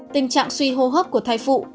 tình trạng suy hô hấp của thai phụ